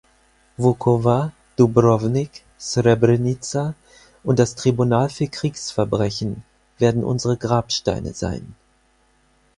Vukovar, Dubrovnik, Srebrenica und das Tribunal für Kriegsverbrechen werden unsere Grabsteine sein.